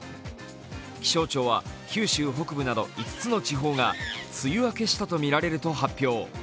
気象庁は九州北部など５つの地方が梅雨明けしたとみられると発表。